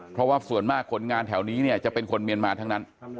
เพราะว่าส่วนมากคนงานแถวนี้เนี่ยจะเป็นคนเมียนมาทั้งนั้น